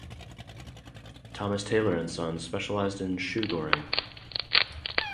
Thomas Taylor and Sons specialized in shoe goring.